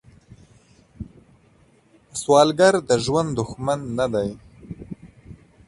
سوالګر د ژوند دښمن نه دی